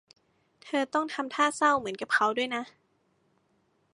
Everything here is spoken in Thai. เธอต้องทำท่าเศร้าเหมือนกับเค้าด้วยนะ